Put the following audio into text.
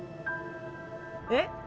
えっ？